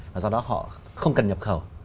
và do đó họ không cần nhập khẩu